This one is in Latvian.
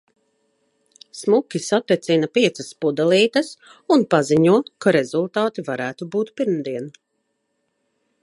Smuki satecina piecas pudelītes un paziņo, ka rezultāti varētu būt pirmdien.